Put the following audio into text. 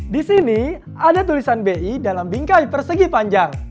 di sini ada tulisan bi dalam bingkai persegi panjang